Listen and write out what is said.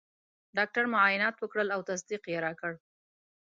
ډاکټر معاینات وکړل او تصدیق یې راکړ.